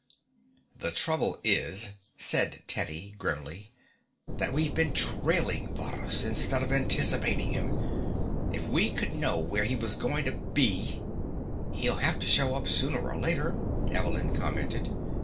"The trouble is," said Teddy grimly, "that we've been trailing Varrhus, instead of anticipating him. If we could know where he was going to be " "He'll have to show up sooner or later," Evelyn commented.